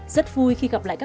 rất vui khi gặp lại các bạn